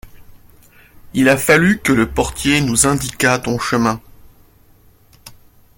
Il a fallu que le portier nous indiquât ton chemin.